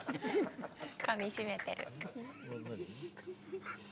かみしめてる。